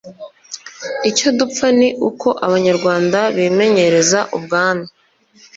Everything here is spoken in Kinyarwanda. icyo dupfa ni uko abanyarwanda bimenyereza ubwami